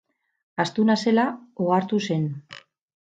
Astuna zela ohartu zen.